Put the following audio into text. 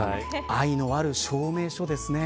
愛のある証明書ですね。